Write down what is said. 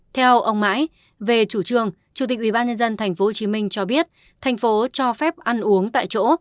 theo ông mãi về chủ trương chủ tịch ubnd tp hcm cho biết thành phố cho phép ăn uống tại chỗ